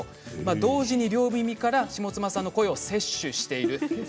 同時に両耳から下間さんの声を摂取している。